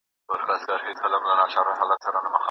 زه لا په زلمۍ وینه ستومانه له مزله ومه